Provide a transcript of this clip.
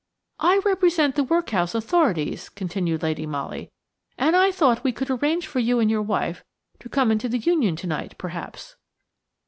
"I represent the workhouse authorities," continued Lady Molly, "and I thought we could arrange for you and your wife to come into the Union to night, perhaps."